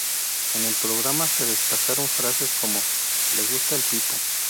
En el programa se destacaron frases como "¿Les gusta el Pipo?